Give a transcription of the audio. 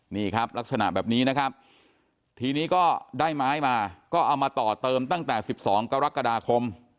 นี่ครับลักษณะแบบนี้นะครับทีนี้ก็ได้ไม้มาก็เอามาต่อเติมตั้งแต่๑๒กรกฎาคม